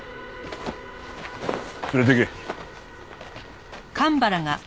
連れていけ。